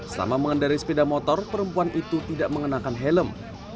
selama mengendari sepeda motor perempuan itu tidak mengenakan helm